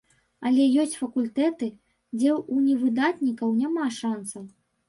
Але ёсць факультэты, дзе ў невыдатнікаў няма шанцаў.